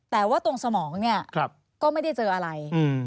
แต่ว่าตรงสมองเนี่ยก็ไม่ได้เจออะไร